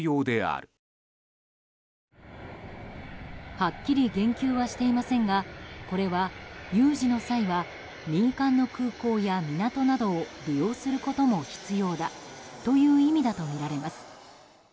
はっきり言及はしていませんがこれは有事の際は民間の空港や港などを利用することも必要だという意味だとみられます。